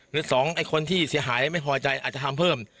หรือสองไอ้คนที่เสียหายไม่พอใจอาจจะทำเพิ่ม